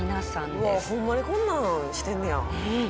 うわホンマにこんなんしてんねや。